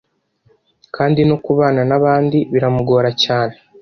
kandi no kubana n’abandi biramugora cyane